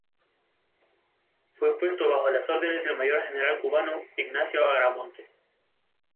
Fue puesto bajo las órdenes del Mayor general cubano Ignacio Agramonte.